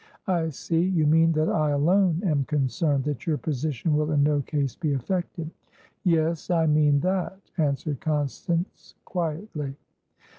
"I see. You mean that I alone am concerned; that your position will in no case be affected?" "Yes, I mean that," answered Constance, quietly.